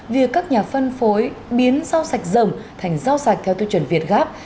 việc các nhà phân phối biến rau sạch rồng thành rau sạch theo tư chuẩn viết gáp